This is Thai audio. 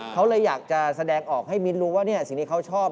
เขาเลยอยากจะแสดงออกให้มิ้นรู้ว่าสิ่งที่เขาชอบ